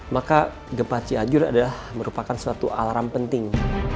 maka gempa cianjur adalah merupakan suatu alarm penting